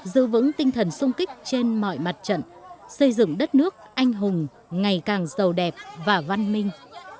giữ vững tinh thần sung kích trên mọi mặt trận xây dựng đất nước anh hùng ngày càng giàu đẹp và văn minh